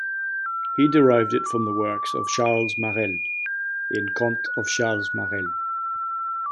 He derived it from the works of Charles Marelles, in "Contes of Charles Marelles".